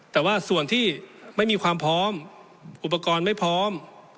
แต่ว่าส่วนที่ไม่มีความพร้อมอุปกรณ์ไม่พร้อม